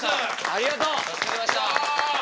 ありがとう。